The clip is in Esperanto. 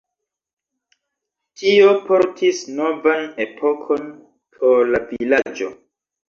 Tio portis novan epokon por la vilaĝo.